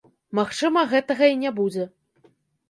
Магчыма, гэтага і не будзе.